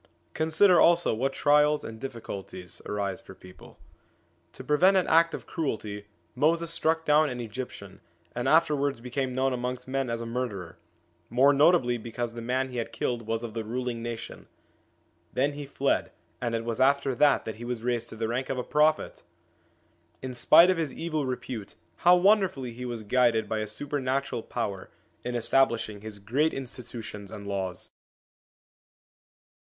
Consider also what trials and difficulties arise for ON THE INFLUENCE OF THE PROPHETS 19 people. To prevent an act of cruelty, Moses struck down an Egyptian, and afterwards became known amongst men as a murderer ; more notably because the man he had killed was of the ruling nation. Then he fled, and it was after that that he was raised to the rank of a Prophet ! In spite of his evil repute, how wonderfully he was guided by a supernatural power in establishing his great institutions and laws